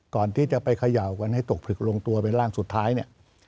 ก่อนที่จะไปเขย่ากันให้ตกผลึกลงตัวเป็นร่างสุดท้ายเนี่ย